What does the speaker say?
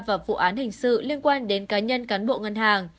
và vụ án hình sự liên quan đến cá nhân cán bộ ngân hàng